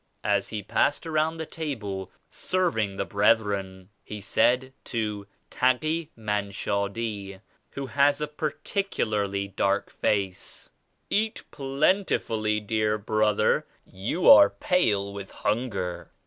As he passed around the table serving the brethren, he said to Taki Mun shadi who has a particularly dark face, "Eat plentifully dear brother; you are pale with hunger."